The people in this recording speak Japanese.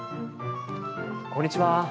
こんにちは。